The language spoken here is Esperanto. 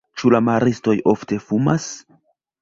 Ĉu la maristoj ofte fumas?